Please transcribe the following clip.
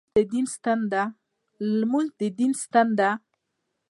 لمونځ د دین ستن ده.